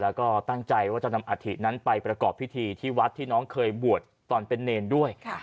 แล้วก็ตั้งใจว่าจะนำอาธินั้นไปประกอบพิธีที่วัดที่น้องเคยบวชตอนเป็นเนรด้วย